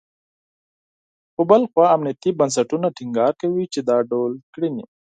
خو بل خوا امنیتي بنسټونه ټینګار کوي، چې دا ډول کړنې …